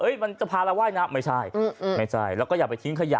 เอ้ยมันจะพาเราไหว้นะไม่ใช่อืมไม่ใช่แล้วก็อย่าไปทิ้งขยะ